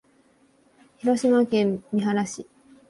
広島県三原市